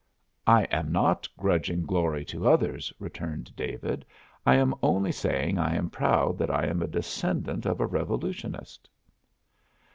"I am not grudging glory to others," returned David; "I am only saying I am proud that I am a descendant of a revolutionist."